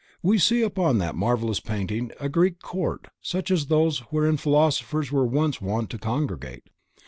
We see upon that marvelous painting a Greek Court such as those wherein philosophers were once wont to congregate.